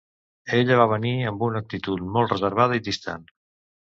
Ella va venir, amb una actitud molt reservada i distant.